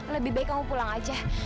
lebih baik kamu pulang aja